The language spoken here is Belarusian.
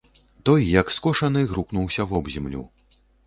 Той як скошаны грукнуўся вобземлю.